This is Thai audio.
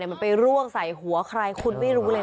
มันไปร่วงใส่หัวใครคุณไม่รู้เลย